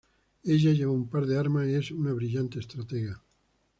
Ella lleva un par de armas y es una brillante estratega.